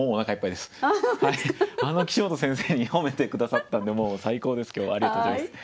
あの岸本先生に褒めて下さったので最高です今日はありがとうございます。